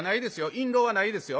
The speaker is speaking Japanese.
印籠はないですよ。